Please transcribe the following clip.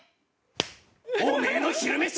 おめえの昼飯